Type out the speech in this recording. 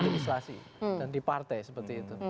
legislasi dan di partai seperti itu